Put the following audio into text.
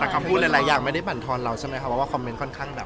แต่คำพูดหลายอย่างไม่ได้บรรทอนเราใช่ไหมครับว่าคอมเมนต์ค่อนข้างแบบ